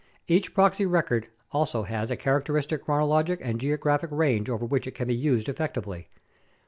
Each proxy record also has a characteristic chronologic and geo graphic range over which it can be used effectively.